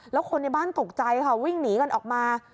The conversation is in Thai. แล้วคนในบ้านตกใจค่ะวิ่งหนีกันออกมา